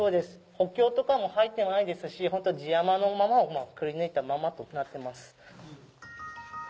補強とかも入ってないですしホント地山のままをくりぬいたままとなってます。